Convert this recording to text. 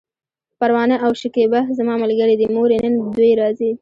پروانه او شکيبه زما ملګرې دي، مورې! نن دوی راځي!